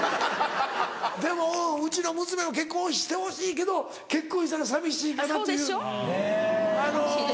でもうちの娘も結婚してほしいけど結婚したら寂しいかなっていう。